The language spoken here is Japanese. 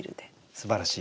すばらしい。